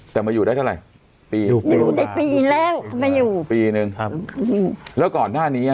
แต่มาอยู่ได้เท่าไหร่